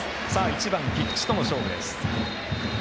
１番、菊池との勝負です。